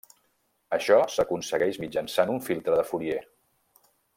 Això s'aconsegueix mitjançant un filtre de Fourier.